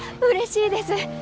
うれしいです。